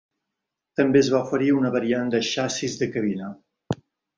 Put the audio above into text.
També es va oferir una variant de xassís de cabina.